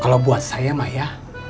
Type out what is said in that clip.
kalau buat saya maya